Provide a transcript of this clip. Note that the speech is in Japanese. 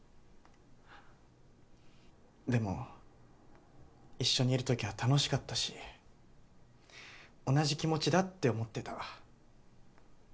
でも一緒にいるときは楽しかったし同じ気持ちだって思ってた。